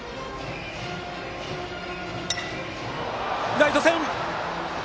ライト線！